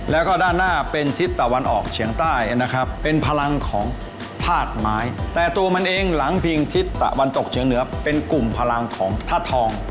แล้วก็ด้านหน้าเป็นทิศตะวันออกเฉียงใต้นะครับเป็นพลังของธาตุไม้แต่ตัวมันเองหลังพิงทิศตะวันตกเฉียงเหนือเป็นกลุ่มพลังของธาตุทอง